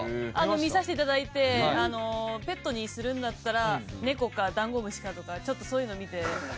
見させて頂いてペットにするんだったらネコかダンゴムシかとかちょっとそういうの見て。